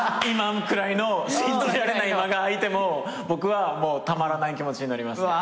今くらいの信じられない間が空いても僕はたまらない気持ちになります。